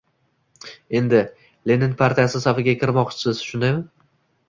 — Endi, Lenin partiyasi safiga kirmoqchisiz, shundaymi?